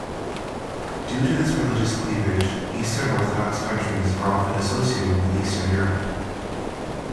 Due to this religious cleavage, Eastern Orthodox countries are often associated with Eastern Europe.